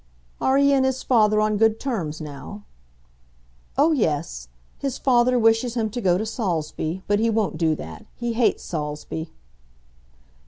"Are he and his father on good terms now?" "Oh, yes. His father wishes him to go to Saulsby, but he won't do that. He hates Saulsby."